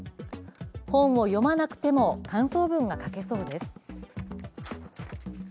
本を読まなくても感想文が書けそうです。